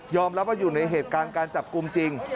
รับว่าอยู่ในเหตุการณ์การจับกลุ่มจริง